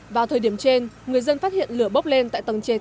vào thời điểm trên người dân phát hiện lửa bốc lên tại tầng trệt